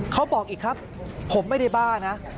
เขาบอกอีกครับผมไม่ได้บ้านะ